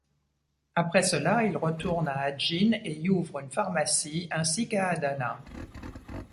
Après cela, il retourne à Hadjin et y ouvre une pharmacie ainsi qu'à Adana.